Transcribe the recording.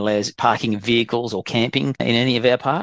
jika peraturan tersebut tidak diperlukan